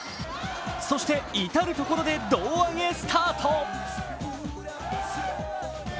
そして、至る所で胴上げスタート。